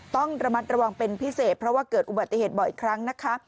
ต้องระมัดระวังเป็นพิเศษเพราะว่าเกิดอุบัติเหตุบ่อยครั้งนะคะ